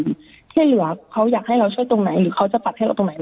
เท่าไหร่หรือว่าเขาอยากให้เราช่วยตรงไหนหรือเขาจะปัดให้เราตรงไหน